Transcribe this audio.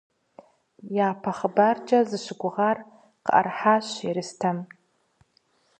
Япэ хъыбаркӏэ зыщыгугъар къыӏэрыхьащ Ерстэм.